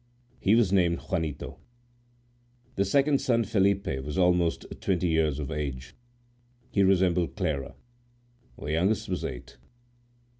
He was named Juanito. The second son, Felipe, was about twenty years of age; he resembled Clara. The youngest was eight.